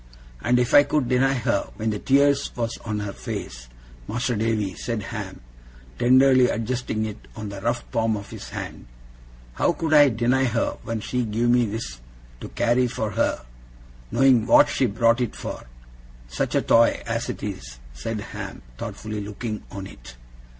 'And if I could deny her when the tears was on her face, Mas'r Davy,' said Ham, tenderly adjusting it on the rough palm of his hand, 'how could I deny her when she give me this to carry for her knowing what she brought it for? Such a toy as it is!' said Ham, thoughtfully looking on it.